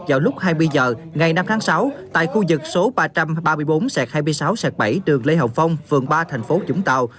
vào lúc hai mươi h ngày năm tháng sáu tại khu vực số ba trăm ba mươi bốn hai mươi sáu sạch bảy đường lê hồng phong phường ba thành phố vũng tàu